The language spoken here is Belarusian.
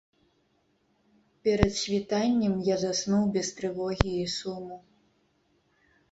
Перад світаннем я заснуў без трывогі і суму.